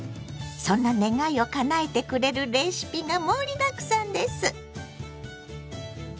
そんな願いをかなえてくれるレシピが盛りだくさんです！